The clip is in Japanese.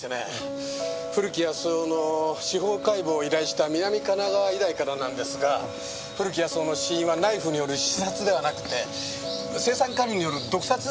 古木保男の司法解剖を依頼した南神奈川医大からなんですが古木保男の死因はナイフによる刺殺ではなくて青酸カリによる毒殺だというんですよ。